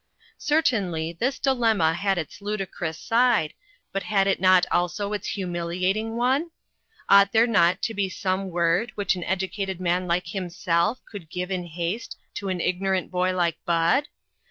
Certainly, this dilemma had its ludicrous side, but had it not also its humiliating one ? Ought there not to be some word which an educated man like himself could BUD AS A TEACHER. 313 give in haste to an ignorant boy like Bud?